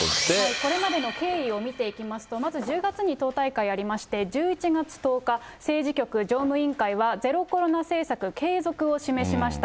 これまでの経緯を見ていきますと、まず１０月に党大会ありまして、１１月１０日、政治局常務委員会は、ゼロコロナ政策継続を示しました。